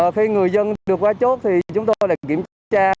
khi người dân được qua chốt thì chúng tôi lại kiểm tra